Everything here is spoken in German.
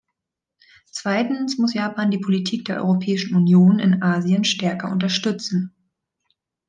Zweitens muss Japan die Politik der Europäischen Union in Asien stärker unterstützen.